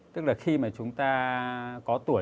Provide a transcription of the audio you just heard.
tức là khi mà chúng ta có tuổi